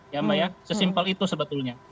ya mbak ya sesimpel itu sebetulnya